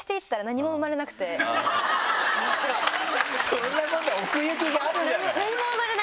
そんなことは奥行きがあるじゃない！